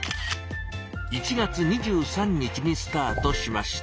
１月２３日にスタートしました。